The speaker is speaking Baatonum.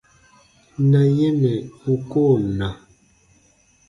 Na yɛ̃ mɛ̀ u koo na.